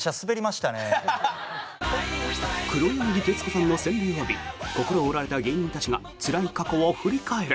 黒柳徹子さんの洗礼を浴び心を折られた芸人たちがつらい過去を振り返る！